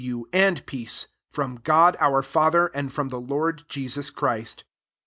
349 you, and peace, from God our Father, and /ro/w the Lord Je sus Christ.